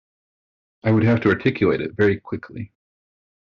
I would have to articulate it very quickly.